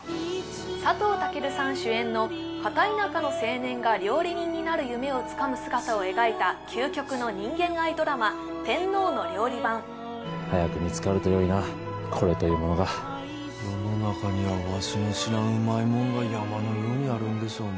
佐藤健さん主演の片田舎の青年が料理人になる夢をつかむ姿を描いた究極の人間愛ドラマ「天皇の料理番」早く見つかるとよいなコレというものが世の中にはわしの知らんうまいもんが山のようにあるんでしょうね